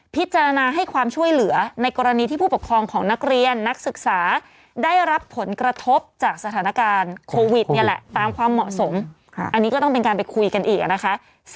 พิจารณาให้ความช่วยเหลือในกรณีที่ผู้ปกครองของนักเรียนนักศึกษาได้รับผลกระทบจากสถานการณ์โควิดเนี่ยแหละตามความเหมาะสมอันนี้ก็ต้องเป็นการไปคุยกันอีกนะคะ